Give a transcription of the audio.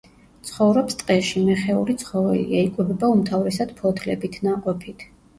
ცხოვრობს ტყეში, მეხეური ცხოველია, იკვებება უმთავრესად ფოთლებით, ნაყოფით.